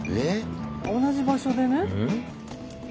同じ場所でね。